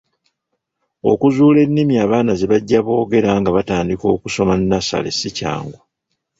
Okuzuula ennimi abaana ze bajja boogera nga batandika okusoma nnassale si kyangu.